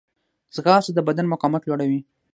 ځغاسته د بدن مقاومت لوړوي